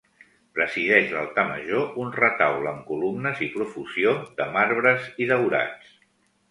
Presideix l'altar major un retaule amb columnes i profusió de marbres i daurats.